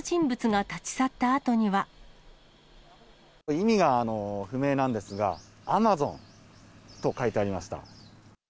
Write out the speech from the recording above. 意味が不明なんですが、Ａｍａｚｏｎ！と書いてありました。